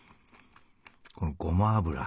このごま油。